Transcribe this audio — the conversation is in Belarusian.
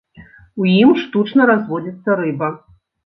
У ім штучна разводзіцца рыба.